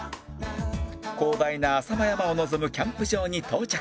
広大な浅間山を望むキャンプ場に到着